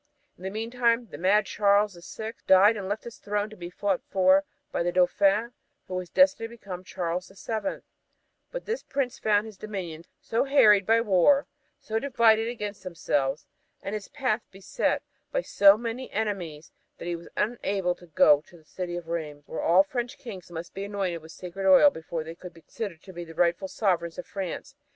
In the meantime the mad Charles the Sixth died and left his throne to be fought for by the Dauphin, who was destined to be Charles the Seventh but this prince found his dominions so harried by war, so divided against themselves, and his path beset by so many enemies that he was unable to go to the city of Rheims, where all French kings must be anointed with sacred oil before they could be considered as the rightful sovereigns of France.